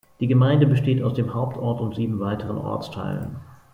Die Gemeinde besteht aus dem Hauptort und sieben weiteren Ortsteilen.